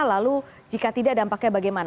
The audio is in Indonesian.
lalu jika tidak dampaknya bagaimana